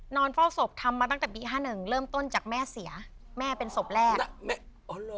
เฝ้าศพทำมาตั้งแต่ปีห้าหนึ่งเริ่มต้นจากแม่เสียแม่เป็นศพแรกอ๋อเหรอ